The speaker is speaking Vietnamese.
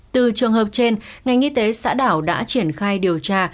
từ trường hợp trên ngành y tế xã đảo đã triển khai điều tra